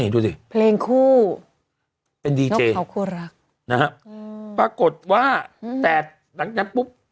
นี่ดูสิเพลงคู่เป็นดีเจน้องเขาควรรักนะครับปรากฏว่าแต่หลังจากนั้นปุ๊บ